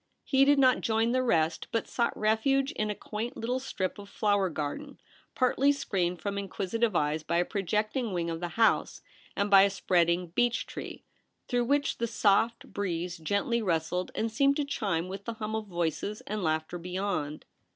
He did not join the rest, but sought refuge in a quaint little strip of flower garden partly screened from inquisitive eyes by a projecting wing of the house and by a spreading beech tree, through which the soft breeze gently rustled and seemed to chime with the hum of voices and laughter beyond.